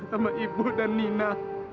sama ibu dan nina